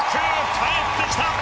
帰ってきた！